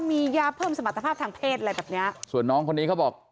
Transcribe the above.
มียาเพิ่มสมรรถภาพทางเพศอะไรแบบเนี้ยส่วนน้องคนนี้เขาบอก